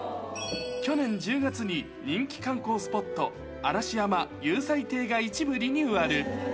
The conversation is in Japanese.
去年１０月に人気観光スポット、嵐山・祐斎亭が一部リニューアル。